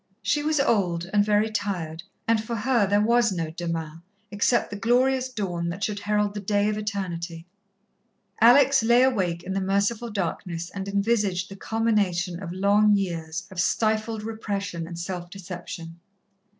She was old and very tired, and for her there was no demain, except the glorious dawn that should herald the day of Eternity. Alex lay awake in the merciful darkness and envisaged the culmination of long years of stifled repression and self deception.